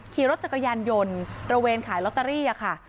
ขี่รถจักรยานยนต์ระเวนขายลอตเตอรี่ค่ะ